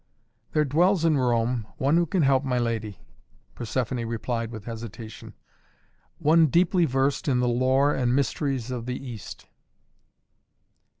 "There dwells in Rome one who can help my lady," Persephoné replied with hesitation; "one deeply versed in the lore and mysteries of the East."